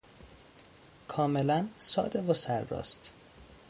کاملا ساده و سر راست.